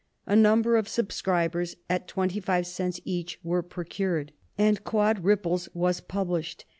A number of subscribers at twenty five cents each were pro cured, and Quad Ripples was published.